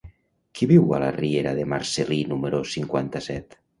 Qui viu a la riera de Marcel·lí número cinquanta-set?